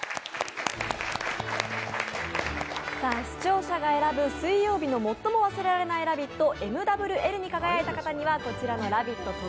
視聴者が選ぶ水曜日の最も忘れられないラヴィット・ＭＷＬに輝いた方にはこちらのラヴィット！